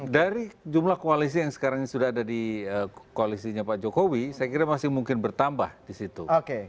dari jumlah koalisi yang sekarang sudah ada di koalisinya pak jokowi saya kira masih mungkin bertambah di situ